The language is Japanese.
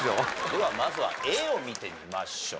ではまずはＡを見てみましょう。